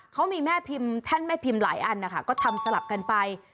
เขามีแม่พิมท่านไม่ภิมภ์หลายอันทรัพย์ก็ทำสลับกันไป